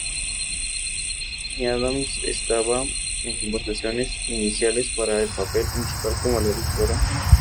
Amy Adams estaba "en conversaciones iniciales" para el papel principal como la Dra.